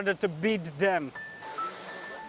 dan lebih sulit untuk memenangkannya